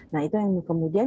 nah itu yang kemudian